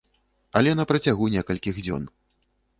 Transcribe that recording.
Але на працягу некалькіх дзён.